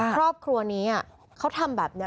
ครอบครัวนี้เขาทำแบบนี้